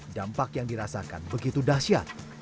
dampak yang dirasakan begitu dahsyat